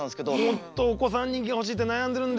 もっとお子さん人気が欲しいって悩んでるんですよ。